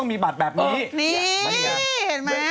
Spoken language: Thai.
นี่เห็นไหม